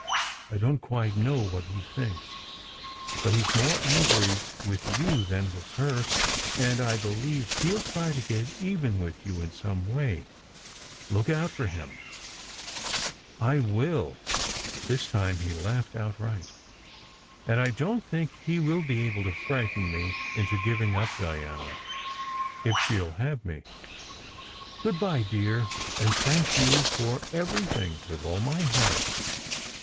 I don t quite know what he thinks, but he s more angry with you than with her, and I believe he ll try to get even with you in some way . Look out for him !" I will !" This time he laughed outright. "And I don t think he will be able to frighten me into giving up Diana if she ll have me. Good bye, dear, and thank you for everything, with all my heart.